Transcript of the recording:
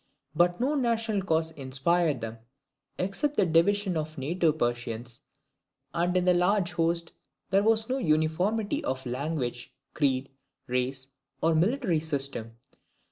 But no national cause inspired them, except the division of native Persians; and in the large host there was no uniformity of language, creed, race, or military system.